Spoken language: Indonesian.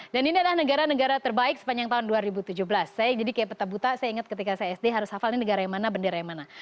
dan ini adalah negara negara terbaik sepanjang tahun dua ribu tujuh belas saya jadi kayak peta buta saya ingat ketika saya sd harus hafal ini negara yang mana bendera yang mana